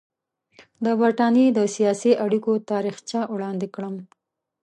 د برټانیې د سیاسي اړیکو تاریخچه وړاندې کړم.